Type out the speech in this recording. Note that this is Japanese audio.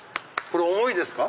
これ重いですか？